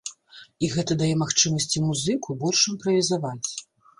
І гэта дае магчымасці музыку больш імправізаваць.